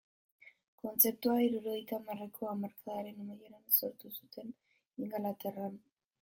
Kontzeptua hirurogeita hamarreko hamarkadaren amaieran sortu zuten Ingalaterran.